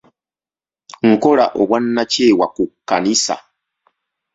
Nkola obwannakyewa ku kkanisa.